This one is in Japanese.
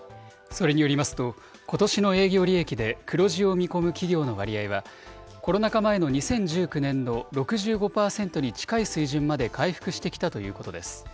それによりますと、ことしの営業利益で黒字を見込む企業の割合は、コロナ禍前の２０１９年の６５％に近い水準まで回復してきたということです。